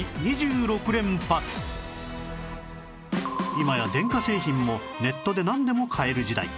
今や電化製品もネットでなんでも買える時代